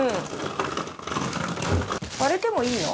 割れてもいいの？